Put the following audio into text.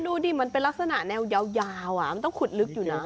ดูดิมันเป็นลักษณะแนวยาวมันต้องขุดลึกอยู่นะ